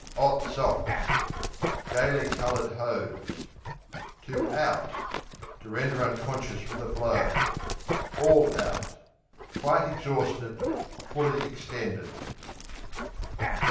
'Ot socks Gaily coloured hose. Out, to To render unconscious with a blow. Out, all Quite exhausted; fully extended.